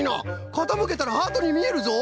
かたむけたらハートにみえるぞ。